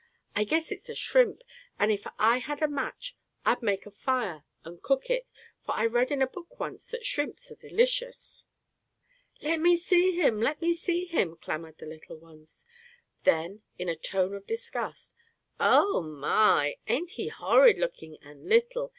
"I guess it's a shrimp. And if I had a match I'd make a fire and cook it, for I read in a book once that shrimps are delicious." "Let me see him! Let me see him!" clamored the little ones. Then, in a tone of disgust: "Oh, my! ain't he horrid looking and little.